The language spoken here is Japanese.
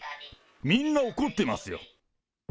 みんな怒ってますよ。